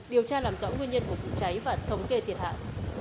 điều tra làm rõ nguyên nhân của vụ cháy và thống kê thiệt hại